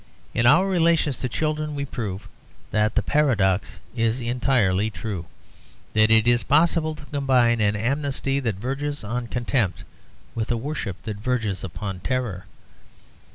In our relations to children we prove that the paradox is entirely true, that it is possible to combine an amnesty that verges on contempt with a worship that verges upon terror.